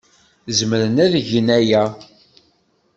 Zemren ad gen aya.